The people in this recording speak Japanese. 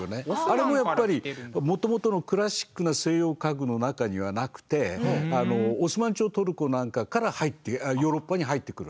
あれもやっぱりもともとのクラシックな西洋家具の中にはなくてオスマン朝トルコなんかからヨーロッパに入ってくるわけ。